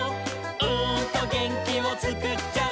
「うーんとげんきをつくっちゃう」